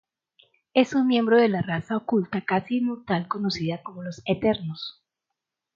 Es un miembro de la raza oculta casi inmortal conocida como los Eternos.